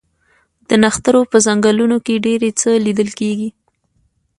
د نښترو په ځنګلونو کې ډیر څه لیدل کیږي